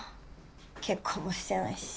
結婚もしてないし。